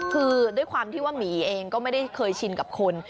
คือด้วยความที่ว่าหมีเองก็ไม่ได้เคยชินกับคน